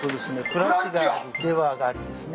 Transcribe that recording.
クラッチがありレバーがありですね。